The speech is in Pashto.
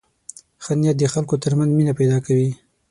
ښه نیت د خلکو تر منځ مینه پیدا کوي.